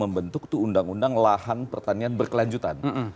membentuk undang undang lahan pertanian berkelanjutan